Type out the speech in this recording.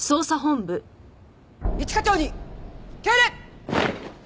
一課長に敬礼！